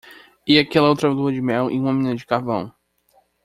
E aquela outra lua de mel em uma mina de carvão!